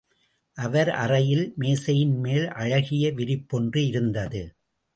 அவர் அறையில் மேசையின் மேல் அழகிய விரிப்பொன்று இருந்தது.